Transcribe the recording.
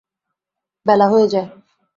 বেলা হয়ে যায়।